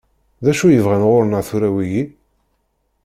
D acu i bɣan ɣur-neɣ tura wigi?